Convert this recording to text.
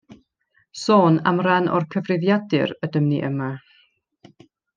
Sôn am ran o'r cyfrifiadur ydym ni yma.